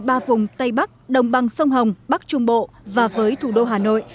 ba vùng tây bắc đồng bằng sông hồng bắc trung bộ và với thủ đô hà nội